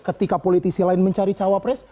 ketika politisi lain mencari cawapres